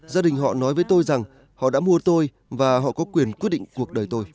gia đình họ nói với tôi rằng họ đã mua tôi và họ có quyền quyết định cuộc đời tôi